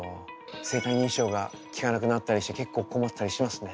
生体認証が効かなくなったりして結構困ったりしますね。